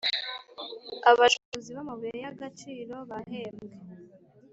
Abacukuzi b’amabuye y’agaciro bahembwe